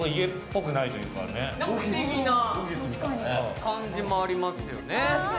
不思議な感じもありますよね。